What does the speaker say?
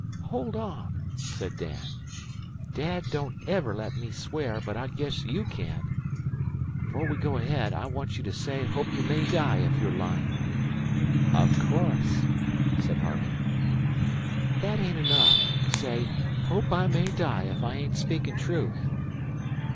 "Hold on," said Dan. "Dad don't ever let me swear, but I guess you can. 'Fore we go ahead, I want you to say hope you may die if you're lyin'." "Of course," said Harvey. "The ain't 'niff. Say, 'Hope I may die if I ain't speaking' truth.'"